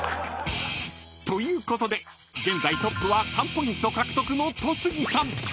［ということで現在トップは３ポイント獲得の戸次さん］